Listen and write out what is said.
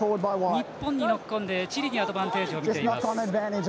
日本にノックオンでチリにアドバンテージみています。